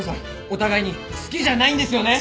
お互いに好きじゃないんですよね？